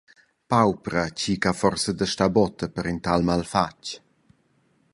Paupra tgi che ha forsa da star botta per in tal malfatg.